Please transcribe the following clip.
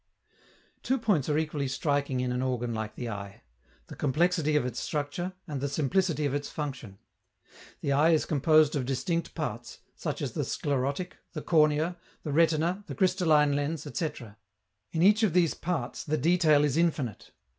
Two points are equally striking in an organ like the eye: the complexity of its structure and the simplicity of its function. The eye is composed of distinct parts, such as the sclerotic, the cornea, the retina, the crystalline lens, etc. In each of these parts the detail is infinite.